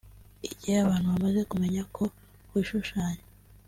Igihe abantu bamaze kumenya ko wishushanya